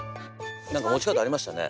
何か持ち方ありましたね。